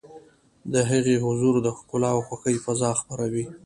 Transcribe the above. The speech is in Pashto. د هغې حضور د ښکلا او خوښۍ فضا خپروي.